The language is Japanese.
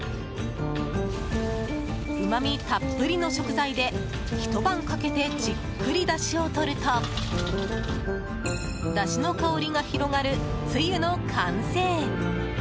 うま味たっぷりの食材でひと晩かけてじっくりだしをとるとだしの香りが広がるつゆの完成。